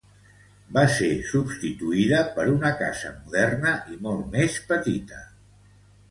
Va ser substituïda per una casa moderna i molt més petita.